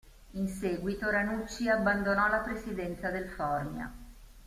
In seguito Ranucci abbandonò la presidenza del Formia.